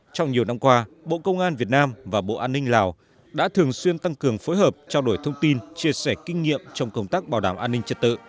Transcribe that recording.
trong nhiều năm qua bộ công an việt nam và bộ an ninh lào đã thường xuyên tăng cường phối hợp trao đổi thông tin chia sẻ kinh nghiệm trong công tác bảo đảm an ninh trật tự